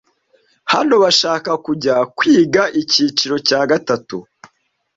hano bashaka kujya kwiga icyiciro cya gatatu.